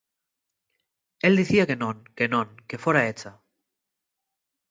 Él dicía que non, que non, que fora eḷḷa.